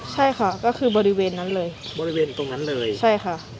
ใช่ค่ะก็คือบริเวณนั้นเลยบริเวณตรงนั้นเลยใช่ค่ะ